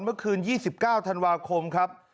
เมื่อคืนยี่สิบเก้าธนวาคมครับ